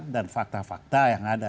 dan fakta fakta yang ada